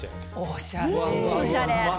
おしゃれ。